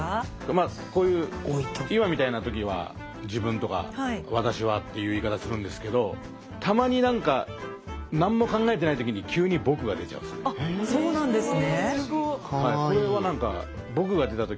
まあこういう今みたいな時は「自分」とか「わたしは」っていう言い方するんですけどたまになんかあっそうなんですね。